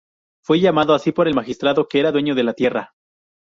Fue llamado así por el magistrado que era dueño de la tierra.